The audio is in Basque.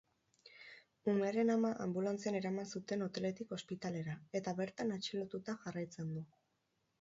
Umearen ama anbulantzian eraman zuten hoteletik ospitalera, eta bertan atxilotuta jarraitzen du.